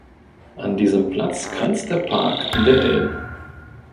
An diesem Platz grenzt der Park an der Ilm.